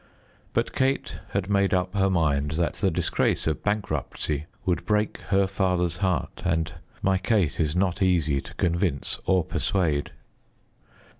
But Kate had made up her mind that the disgrace of bankruptcy would break her father's heart; and my Kate is not easy to convince or persuade.